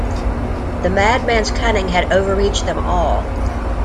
The madman’s cunning had overreached them all.